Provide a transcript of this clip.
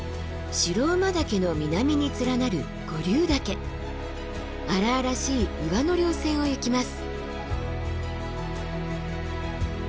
白馬岳の南に連なる荒々しい岩の稜線を行きます。